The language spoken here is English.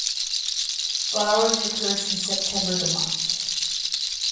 Flowering occurs from September to March.